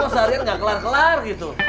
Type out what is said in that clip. kok seharian gak kelar kelar gitu